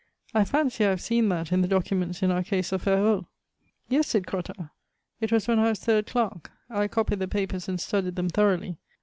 I fancy I have seen that in the documents in our case of Ferraud." "Yes," said Crottat. "It was when I was third clerk; I copied the papers and studied them thoroughly.